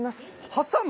挟む？